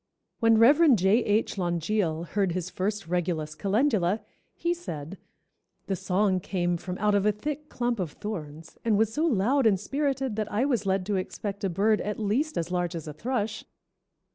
When Rev. J. H. Langille heard his first Regulus calendula, he said, "The song came from out of a thick clump of thorns, and was so loud and spirited that I was led to expect a bird at least as large as a thrush.